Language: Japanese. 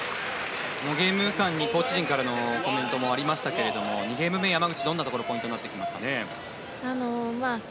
ゲーム間にコーチ陣からのコメントもありましたが２ゲーム目、山口はどんなところポイントになりますかね。